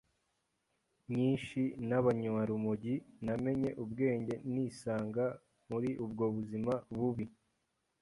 nyinshi n’abanywarumogi, namenye ubwenge nisanga muri ubwo buzima bubi